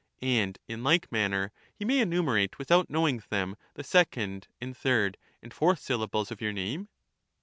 And in like manner he may enumerate without know ing them the second and third and fourth syllables of your name?